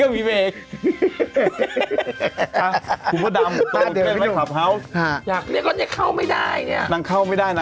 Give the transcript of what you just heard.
นี่นี่ก็มีเมช